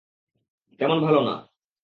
তেমন ভালো না।